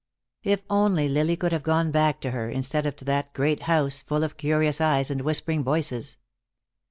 If only Lily could have gone back to her, instead of to that great house, full of curious eyes and whispering voices.